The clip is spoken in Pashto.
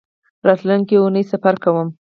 راتلونکۍ اونۍ سفر کوم